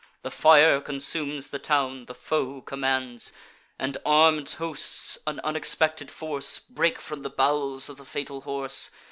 The fire consumes the town, the foe commands; And armed hosts, an unexpected force, Break from the bowels of the fatal horse.